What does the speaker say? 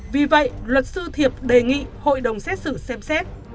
vì vậy luật sư thiệp đề nghị hội đồng xét xử xem xét